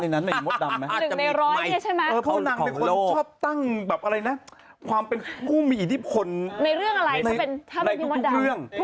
เธอนางเป็นคนชอบตั้งความเป็นผู้มีอิทธิพลในทุกเรื่อง